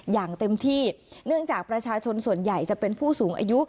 อย่างเต็มที่เนื่องจากประชาชนส่วนใหญ่จะเป็นผู้สูงอายุ